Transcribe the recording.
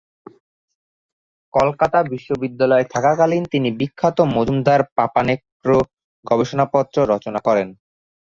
কলকাতা বিশ্ববিদ্যালয়ে থাকাকালীন তিনি বিখ্যাত মজুমদার-পাপানেত্রু গবেষণাপত্র রচনা করেন।